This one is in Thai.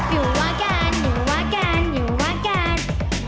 อยู่ว่ากันหนูว่ากันอยู่ว่ากัน